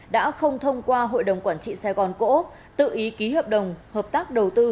đã không thông qua hội đồng quản trị sài gòn cổ úc tự ý ký hợp đồng hợp tác đầu tư